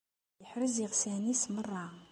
Iḥrez iɣsan-is merra.